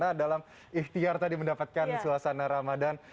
nah dalam ikhtiar tadi mendapatkan suasana ramadhan